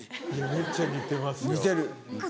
めちゃ似てますよ。